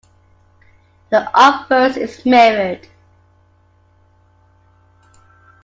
The obverse is mirrored.